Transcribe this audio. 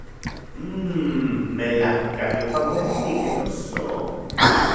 Mmmm, ¡melajkayopa uelik, noso!